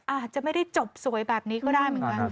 อาจจะไม่ได้จบสวยแบบนี้ก็ได้เหมือนกัน